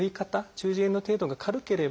中耳炎の程度が軽ければ